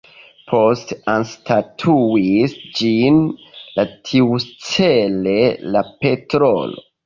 Poste anstataŭis ĝin la tiucele la petrolo.